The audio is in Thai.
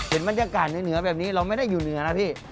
บรรยากาศเหนือแบบนี้เราไม่ได้อยู่เหนือนะพี่